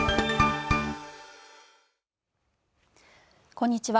こんにちは。